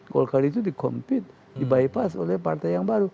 golkar itu di compete di bypass oleh partai yang baru